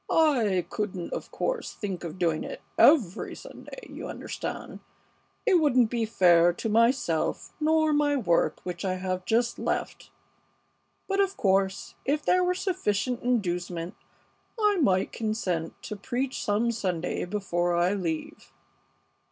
"I couldn't, of course, think of doing it every Sunday, you understand. It wouldn't be fair to myself nor my work which I have just left; but, of course, if there were sufficient inducement I might consent to preach some Sunday before I leave."